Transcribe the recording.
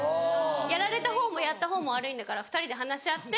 やられた方もやった方も悪いんだから２人で話し合って。